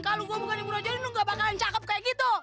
kalo gua bukan yang brojolin lu ga bakalan cakep kayak gitu